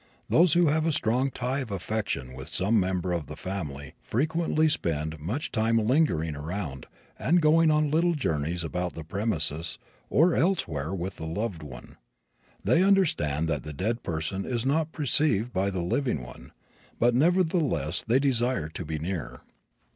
Those who have a strong tie of affection with some member of the family frequently spend much time lingering around and going on little journeys about the premises or elsewhere with the loved one. They understand that the dead person is not perceived by the living one, but nevertheless they desire to be near.